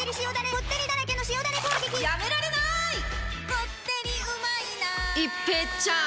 こってりうまいな一平ちゃーん！